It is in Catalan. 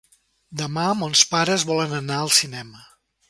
Demà mons pares volen anar al cinema.